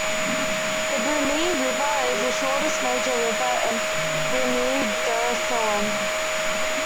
The Brunei River is the shortest major river in Brunei Darussalam.